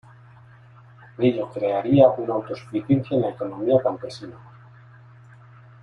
Ello crearía una autosuficiencia en la economía campesina.